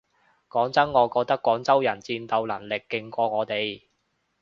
講真我覺得廣州人戰鬥能力勁過我哋